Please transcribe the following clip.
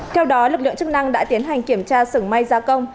theo đó lực lượng chức năng đã tiến hành kiểm tra sưởng may gia công